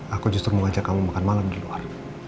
aku justru mau ajak kamu makan malam di luar